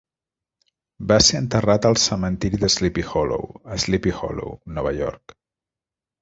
Va ser enterrat al cementiri de Sleepy Hollow, a Sleepy Hollow, Nova York.